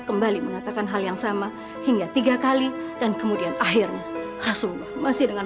kembali mengatakan hal yang sama hingga tiga kali dan kemudian akhirnya rasulullah masih dengan